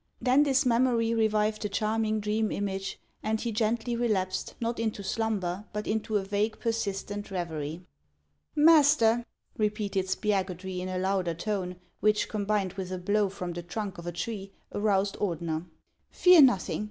Then this memory revived the charming dream image, and he gently relapsed, not into slumber, but into a vague, persistent revery. " Master," repeated Spiagudry, in a louder tone, which, combined with a blow from the trunk of a tree, aroused Ordener, " fear nothing.